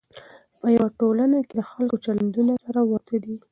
په یوه ټولنه کې د خلکو چلندونه سره ورته وي.